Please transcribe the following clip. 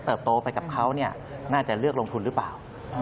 โตไปกับเขาน่าจะเลือกลงทุนหรือเปล่า